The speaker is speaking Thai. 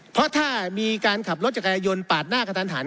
เพราะถ้ามีการขับรถจักรยายนปาดหน้ากระทันหัน